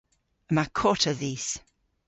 Yma kota dhis.